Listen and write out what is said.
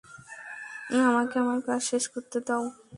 আমাকে আমার কাজ শেষ করতে দাও।